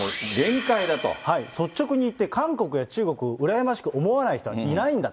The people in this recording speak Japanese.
率直に言って、韓国や中国、羨ましく思わない人はいないんだと。